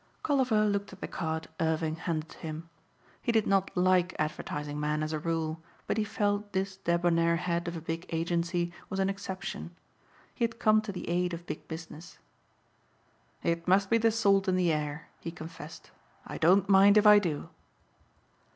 Colliver looked at the card Irving handed to him. He did not like advertising men as a rule but he felt this debonair head of a big agency was an exception. He had come to the aid of big business. "It must be the salt in the air," he confessed, "I don't mind if I do."